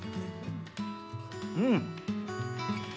うん！